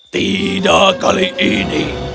tidak kali ini